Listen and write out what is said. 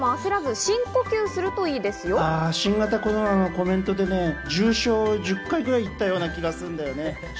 新型コロナのコメントで、重症を１０回くらい言ったような気がするんだよな。